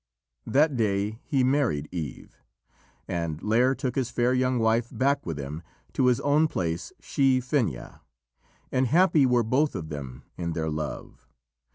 That day he married Eve, and Lîr took his fair young wife back with him to his own place, Shee Finnaha, and happy were both of them in their love.